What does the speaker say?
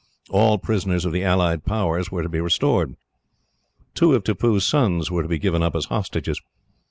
All prisoners of the allied powers were to be restored. Two of Tippoo's sons were to be given up as hostages.